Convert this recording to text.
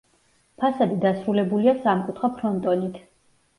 ფასადი დასრულებულია სამკუთხა ფრონტონით.